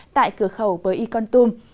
tại cửa khẩu với icon tum